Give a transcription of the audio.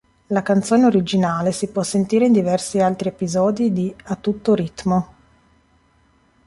La canzone originale si può sentire in diversi altri episodi di "A tutto ritmo".